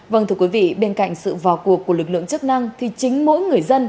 vâng thưa quý vị bên cạnh sự vào cuộc của lực lượng chức năng thì chính mỗi người dân